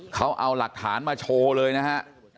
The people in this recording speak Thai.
เขาเอาหลักฐานมาโชว์เลยนะฮะ